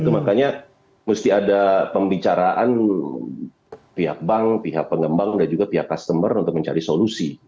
makanya mesti ada pembicaraan pihak bank pihak pengembang dan juga pihak customer untuk mencari solusi